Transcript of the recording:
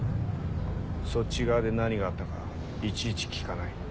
そっち側で何があったかいちいち聞かない。